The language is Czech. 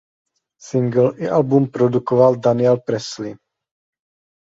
Singl i album produkoval Daniel Presley.